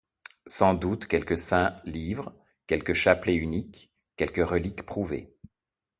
Sans doute quelque saint livre? quelque chapelet unique ? quelque relique prouvée ?